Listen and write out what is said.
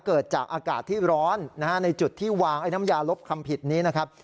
เกิดจากอากาศที่ร้อนในจุดที่วางไอ้น้ำยาลบคำผิดนี้นะครับ